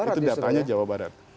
itu datanya jawa barat